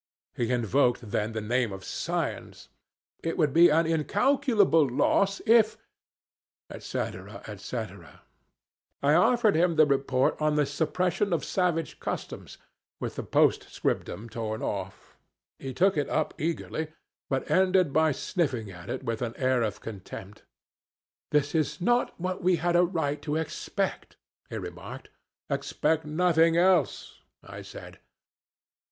He invoked then the name of science. 'It would be an incalculable loss if,' &c., &c. I offered him the report on the 'Suppression of Savage Customs,' with the postscriptum torn off. He took it up eagerly, but ended by sniffing at it with an air of contempt. 'This is not what we had a right to expect,' he remarked. 'Expect nothing else,' I said.